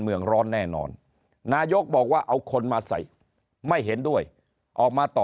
เมืองร้อนแน่นอนนายกบอกว่าเอาคนมาใส่ไม่เห็นด้วยออกมาต่อ